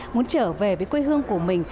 muốn trở về với quê hương của mình